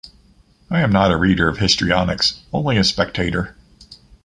I am not a reader of histrionics, only a spectator.